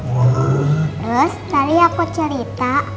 terus tadi aku cerita